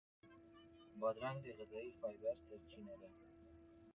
بادرنګ د غذایي فایبر سرچینه ده.